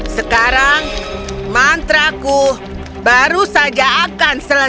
sekarang mantraku baru saja akan selesai